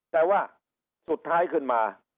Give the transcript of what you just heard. แต่ว่าสุดท้ายขึ้นมา